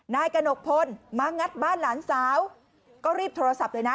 นายกระหนกพลมางัดบ้านหลานสาวก็รีบโทรศัพท์เลยนะ